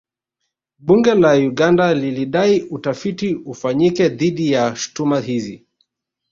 Bunge la Uganda lilidai utafiti ufanyike dhidi ya shutuma hizi